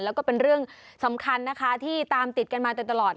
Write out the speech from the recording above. แล้วก็เป็นเรื่องสำคัญนะคะที่ตามติดกันมาตลอด